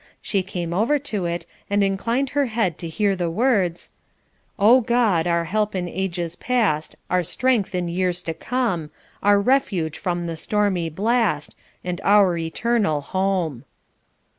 She came over to it, and inclined her head to hear the words: "Oh, God, our help in ages past Our strength in years to come, Our refuge from the stormy blast, And our eternal borne."